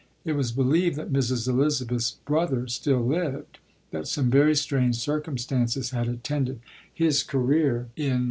It was believed that Mrs. Elizabeth's brother still lived ; that some very strange circumstances had attended his career in